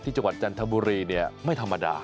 ที่จังหวัดจันทร์ภูมิไม่ธรรมดา